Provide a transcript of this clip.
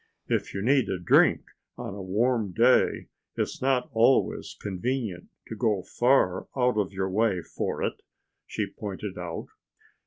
"If you need a drink on a warm day it's not always convenient to go far out of your way for it," she pointed out.